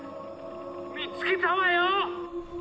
見つけたわよ！